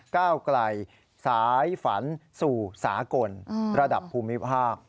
ก้าวไกลสายฝันสู่สากลระดับภูมิภาค